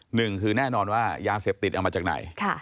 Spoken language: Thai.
หนึ่งคือแน่นอนว่ายาเสพติดเอามาจากไหน